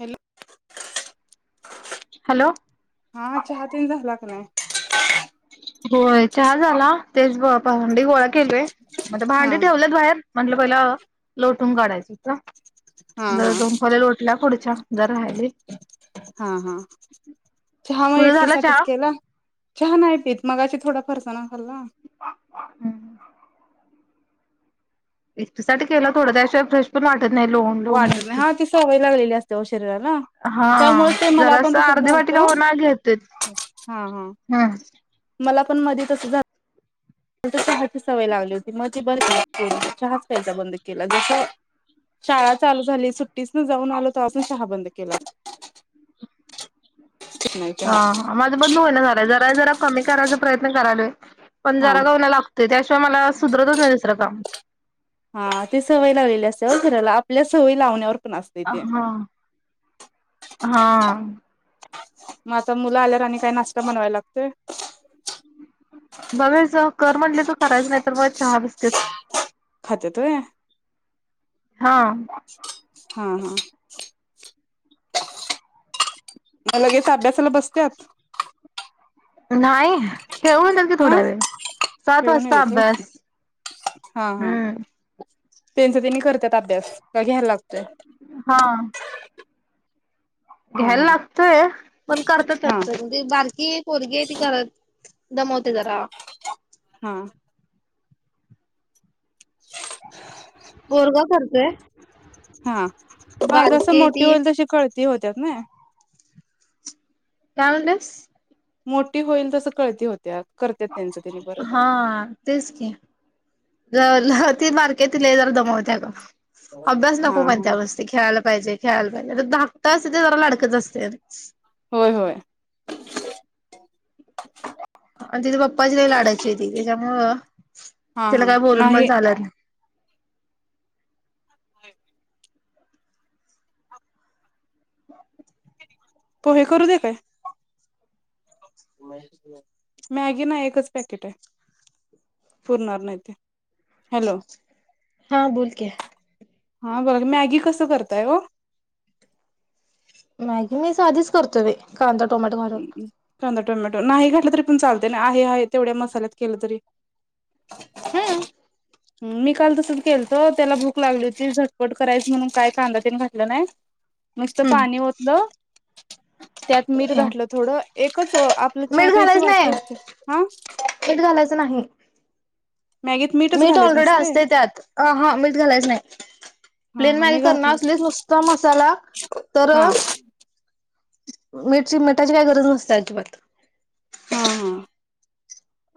Hello. Hello हा चहतेन झाला का नाही? होय! चहा झाला, तेच भा भांडी गोळा केलोय. म हा भांडी ठेवल्यात बाहेर, म्हटलं पहिला लोटून काढायची. हा हा जरा दोन खोले लोटल्या पुढच्या जरा राहिलय. हा! हा! चहा मग तुझं झालं एकटीसाठीच चहा केला. चहा नाही पित, मगाशी थोडा फरसाना खाल्ला. एकटीसाठी केला थोडं त्याशिय फ्रश पण वाट वाटत नाही, हा! ती सवय लागलेली असते शरीराला. हा त्यामुळे ते मला पण जरासं तसच अर्धी वाटीका झालतं. ओवा घेतोय हा! हा. हम्म मला पण मधेच असं झालं चहाची सवय लागली होती मग ते बर के चहाच प्यायचा बंद केला जस शाळा चालू झाली, सुट्टीस न जाऊन आलो तवा पासणं चहा बंद केला. नाही चहा ह, माझं बंदू होई ना झालाय जरा जरा कमी करायचा प्रयत्न करालोय. पण हा जरा का व्हिना लागतय त्याशिवाय मला सुधरतच नाही दुसरं काम. हा, ते सवय लावलेली असते ओ शरीराला आपल्या सवयी लावण्यावर पण असते हा ते. हा म आता मुलं आल्यावर आणि का नाश्ता बनवाय लागतोय बघच कर म्हंटले तर करायचं नाही तर मग चहा बिस्किट खात त आहे हा हा हा म लगेच अभ्यासाला बसतात नाही खेळून त्यांल की हा थोडा वेळ सात खेळू नाही वाजता देत होय अभ्यास हम्म त्यांचा त्यांनी करतात अभ्यास क घ्यायला लागतोय हा हम्म घ्यायला हम्म लागतय पण करतात हा म्हणजे बारकी पोरगी आहे ती करत दमवते जरा हा पोरगा करतोय हा जस बारकी आहे मोठी ती होईल तशी कळती होतात ना काय म्हणटस मोठी होईल तस कळती होत्यात करत्यात त्यांचं त्यांनी परत हा तेच की जर ती बारकी ती लय जर दमवत अभ्यास हा नको महतय हा खेळायला खेळायला पाहिजे खेय धाकट अस तर जरा लाडकच असते होय होय ह आणि तिथ पप्पाच काही लाढायची होती त्याच्यामुळं हा तिला हा काय बोलून पण नाही चालत नाही तो हे करू दे काय मॅगी ना एकच पॅकेट आहे पुरणार नाही ते हॅलो हा बोल की हा बघ मॅगी कसं करताय हो मॅगी मी साधीच करतो बाई कांदा टोमॅटोघालून कांदा टोमॅटो नाही घातटलं तरी पण चालत ना आहे आहे तेवढ्या मसाल्यात केलं तरी हम मी काल तसच केलत त्याला भूक लागली होती झटपट करायची म्हणून काय कांदा त्याने घातला नाही मस्त पाणी ओतलं त्यात मीठ हा घातलं थोडं एकच आपलं चहा मीठ प्याची घालायच नाही वाटी असती ह मीठ घालायचं नाही. मॅगीत मीठ मीठ ऑलरेडी असते त्यात हा मीठ घालायचं नाही हा प्लेन हा मल मी करणार घातलं असले नुस्त मसाला तर हा अ मेट मिठाची काय गरज नसते अजिबात हा हा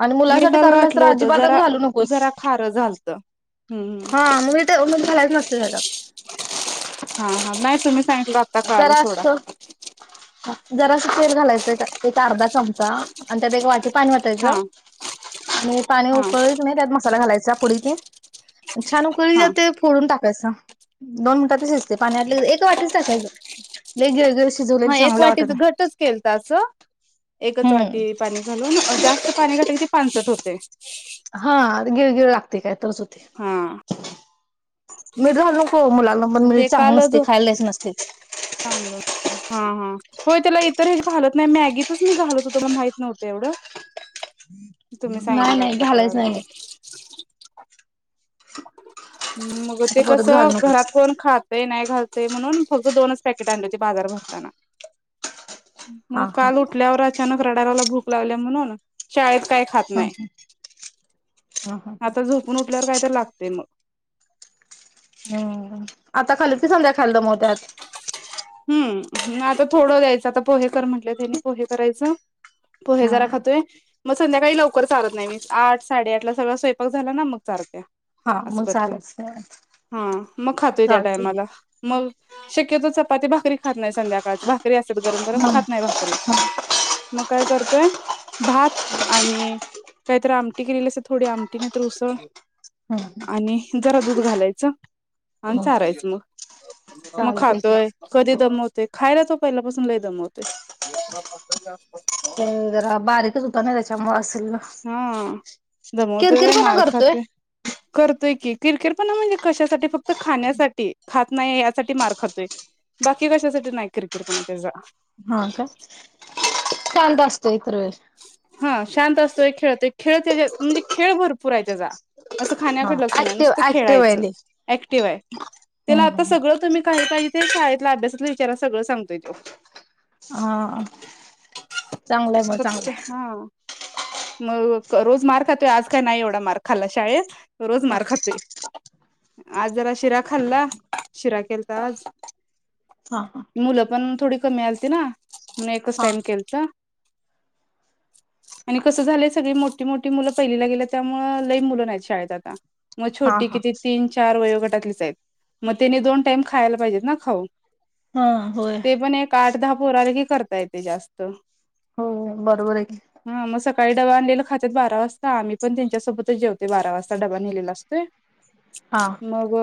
आणि मिर मुलांसाठी काल करायलास घाठल तर होत अजिबातच जरा घालू नकोस. जरा खार झालत हम्म हा म तर झालायच नसते त्याला हा हा म जरा असतो हा जरा अस तेल घालायचं एक अर्धा चमचा आणि त्यात एक वाट ते पाणी वतायाच हा आणि पाणी हा उकळी क नाही त्यात मसाला घालायचा पुढ ते छान हा उकळी ते फोडून टाकायचं दोन मिनटात शिजते पाण्यातले एक वाटीच टाकायचं नाहीग व ग हा एक वाटीच घटच केलतं असं एकच वाटी हम्म पाणी घालून जास्त पाणी घाटल की पांचट होतंय हा गिळ गिळ लागते काय तरच होते हा मीठ घालू हो मुलांना पण मिळ ते चांग काल झो नसते खायला देयाचं नसते चांगलं असतं हा हा होय त्याला इतर हेच घालत नाही मॅगीतच मी घालत होतोला माहित नव्हतं एवढं. तुम्ही नाही नाही घालायचं नाही - हा हम् मग आता ते कस परत घालू नकोस घरात कोण खातय नाही. घालतय म्हणून फक्त दोनच पॅकेट आणली होती बाजार भरताना. हा मग हा. काल उठल्यावर अचानक रडाराला भूक लावल्या म्हणून शाळ का खात नाही हम्म आता झोपून उठल्यावर काय तरी लागताय. ते मग हम् आता खाल की समजा खाल्लं म त्यात हम आता थोडं द्यायचं आता पोहेकर म्हटलं तेनी पोहे करायचं.. पोहे जरा हा खातोय मग संध्याकाळी लवकर चालत नाही मी आठ साडेआठला सगळा स्वयंपाक झाला ना मग चालते. हा असं मग करते चालच हा मग खातोय त्या चालतय टायमाला मग. शक्यतो चपाती, भाकरी, खात नाही संध्याकाळच भात. भाकरी असतात गरम गरम खात नाही हम्म भाकरी मग काय कर - य भात आणि काहीतरी आमटी केलेली अस थोडी आमटी नाही तर उसळ हम ह आणि जरा दूध घालायचं आणि चारायचं मग मग चालतय की खातोय. मव खायला तो पहिल्यापासून ल दमवते. जरा बारीकच होत ना त्याच्यामुंळ असल हा दमवतोय किरकिरपणा मार करतोय. खातोय करतोय की किरकिर पण म्हणजे कशासाठी फक्त खाण्यासाठी खात नाहीे यासाठी मार खातोय. बाकी कशासाठी नाही किरकिर कोणा त्याचा हा काय शांत असतो इतर वेळेस. हा शांत असतोय खेळतो खेळ त्या म्हणजे खेळ भरपूर आहे त्याचा. असं हा खाण्याकडे लक्ष नाही नुसतं ऍक्टिव्ह ऍक्टिव्ह आहे खेळायचं लई ऍक्टिव्ह आहे. त्याला हम्म आता हम्म सगळं तुम्ही काही काही ते शाळेतल्या अभ्यासातल्या विचारांला सगळं सांगतोय तो. हा चांगलंय मग चांगलंय हा मग रोज मार्क खातोय आज काय नाही एवढा मार्क खालाय शाळेत रोज हा मार खातोय आज जरा शिरा खाल्ला, शिरा केलता आज. हा हा मुलं पण थोडी कमी आलती ना एकच हा टाइम केलत. [inaudible] आणि कसं झालंय सगळी मोठी मोठी मुलं पहिलीला गेले त्यामुळं लई मुलं नाहीत शाळेत आता. मग हा छोटी हा किती तीन चार वयोगटातलीच आहेत मग त्याने दोन टाइम खायला पाहिजेत ना खाऊ. हा होय ते पण एक आठ दहा पोराला आले की करता येते जास्त हम्म. हो बरोबर आहे की काही डबा आणलेलं खात बारा वाजता आम्ही पण त्यांच्यासोबतच जेवते बारा वाजता डबा नेलेला असतोय. हा मग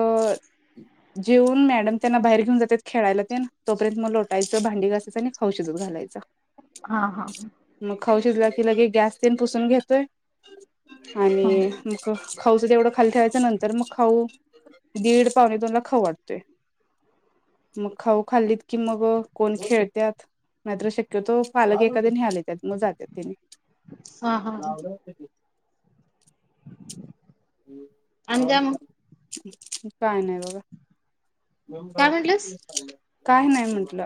जेऊन मॅडम त्यांना बाहेर घेऊन जातात खेळायला ते तोपर्यंत म लोट - टायचं भांडी घासताना खाऊ शिजवून घालायचा. हा हा मग खाऊ शिजला की लगे गॅस तेन पुसून घेतोय हा आणि मग खाऊच तेवढं खाली ठेवायच नंतर मग खाऊ दीड पावणे दोन ला खाऊ वाटतोय. मग खाऊ खाल्लीत कि मग कोण खेळत्यात नाहीतर शक्यतो पालक कधी न्यायाला येत्यात मग जातात त्यांनी हा हा आणि काय मग काय नाही बघा. काय म्हटलंस काय नाही म्हंटलं.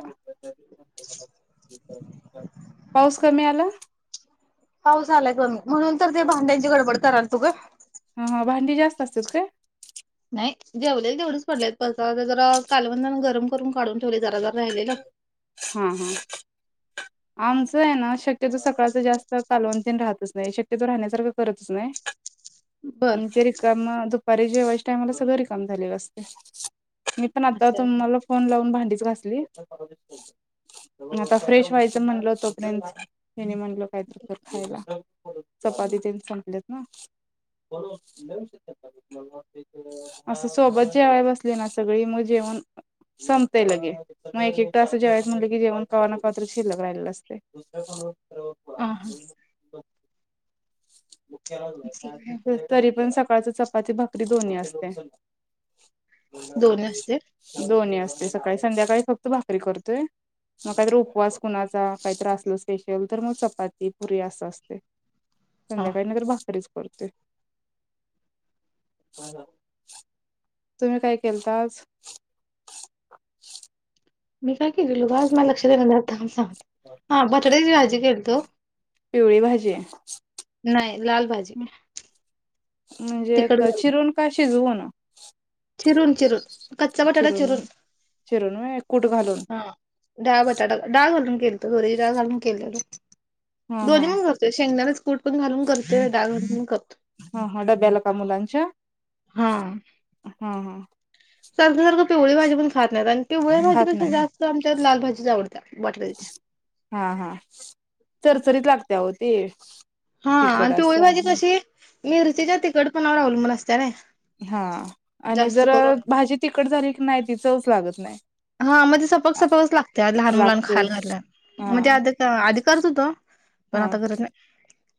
पाऊस कमी आला. पाऊस आलाय कमी म्हणून तर ते भांड्यांची गडबड करालतू ग - ह ह भांडी जास्त असतात काय? नाही जेवलेल तेवढच पडलेयत बस जरा कालवंदान गरम करून काढून ठेवले जरा जरा राहिलेलं. हम्म हम् आमचं आहे ना शक्यतो सकाळचं जास्त कालवतीन राहतच नाही, शक्यतो राहण्यासारखं करतच नाही. बर. म्हणजे रिकाम दुपारी जेवायच्या टायमला सगळं रिकाम झालेलं असते. मी पण आता असं आहे तुम्हाला फोन लावून भांडीच घासली आता फ्रेश व्हायची. म्हणल. . तोपर्यंत ह्यांनी म्हणलं काहीतरं कर खायला. चपाती ते संपलेत ना... असं सोबत जेवायला बसली ना सगळी मग जेव- संपतंय लगे. मग एक एक तास जेवायाचं म्हटलं की जेवण संपतंय कवातरं जेवण शिल्लक राहिलेलं असतंय. हा हा असं आहे. तरी पण सकाळच चपाती भाकरी दोन्ही असते. दोन्ही असते. दोन्ही असते. सकाळी संध्याकाळी फक्त भाकरी करतोय. मग काहीतरी उपवास कुणाचा.,. काही तर असल स्पेशल तर मग., चपाती पुरी असं असते. हा संध्याकाळी नाहीतर भाकरीच करतोय. हम. तुम्ही काय केलता आज? मी काय केलेलो का आज. मला लक्षात येईना.. थांब आता सांगतो.,. हा बटट्याची भाजी केलतो. पिवळी भाजी.. नाही लाल भाजी म्हणजे तिखट घालून चिरून का शिजवून.. चिरून.. चिरून.. कच्चा बटाटा चिरून. चिरून व्हय कूट घालून हा डाळं बटाटा डाळ घालून मी तुरीची डाळ घालून केलेलो. हा हा दोनी पण घालतो शेंगदाण्याचा कुट पण घालून करतो., डाळ घालून करतो. हा.. हा.. डब्याला का मुलांच्या. हा. हा.. हा.. सारखं.,. सारखं., पिवळी भाजी पण खात नाही आणि- पिवळ्या खात भाजीपेक्षा नाहीत जास्त आमच्यात लाल भाजी आवडत्या बटाट्याची. हा-हा चरचरीत लागते आओ ती. हा तिखट आणि पिवळी असं भाजी कशी मिरचीच्या तखिटपणावर अवलंबून असत्या ना. हा आणि जर भाजी तिकट झाली की नाही तिचं चवचं लागत नाही. हा मणजे सपक सपकच लागते लहान मुलां लागते खायला घातल्या हा म्हणजे आधी अधी करत होतो. पण हा आत्ता करत नाही.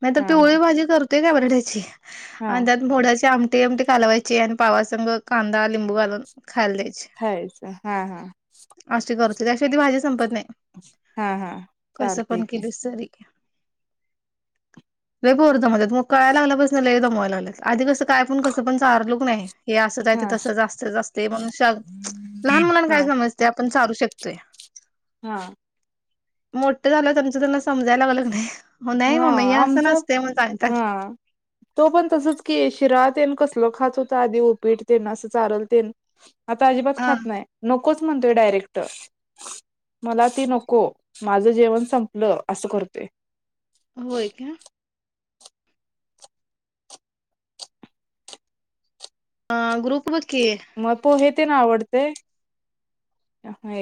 नाही तर हा हा पिवळी भाजी करतोय का बटाट्याची हा आणि त्या मोड्याची आम- ती आमटी कालावाची आणि पावासंग कांदा लिंबू घालून- खायला द्यायची खायचं हा.. हा.. अशी करते. त्याशिवाय ती भाजी संपत नाही. हाहा चालतय की केलीस तरी लय पोर दमवतेत.. मग कळाय लागल्या पासून लय दमवायला लागेलेत, आधी पण कसं काय पण चारलू की नायं. हे असचं आहे. ते हा तसंचं असतंय, म्हणून श. लहान मुलांना हा कायं समजतयं. पण चारू शकतोय. हा. मोठ झालं त्यांचं त्यांना समजायला लागल की नाय. हा आमचा.. हा तो पण तसच की... शिरा ते कसलं च.. - खात होत. आधी उपीट अस चारेल टिन आता अजिबात हा खात नाही. नकोच म्हणतोय डायरेक्ट. मला ती नको. माझं जेवण संपलं असं करतोयं. होय का ह ग्रुप बघ की किती ना आवडते.,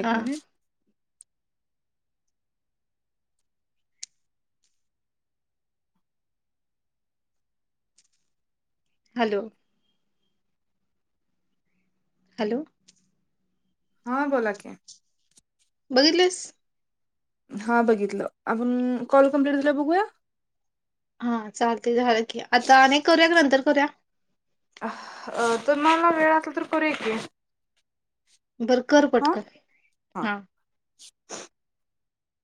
अ मिनिट हॅलो. हॅलो. हा बोला की. बघितलीस. हा बघितलं, आपुण कॉल कंप्लिट झाल्यावर बघूया हा चालते झालं की आता आणि एक करू या का नंतर करूया. अ तुम्हांला वेळ असला तर करूया की, बर कर हा पटकन हा